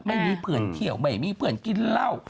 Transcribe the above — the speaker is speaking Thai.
ไม่มีเพื่อนเที่ยวไม่มีเพื่อนกินเหล้า